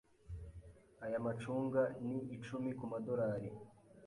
Aya macunga ni icumi kumadorari.